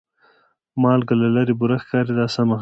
مالګه له لرې بوره ښکاري دا سمه خبره ده.